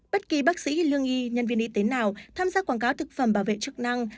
bất kỳ bác sĩ lương y nhân viên y tế nào tham gia quảng cáo thực phẩm bảo vệ chức năng